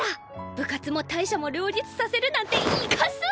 部活も大赦も両立させるなんてイカす！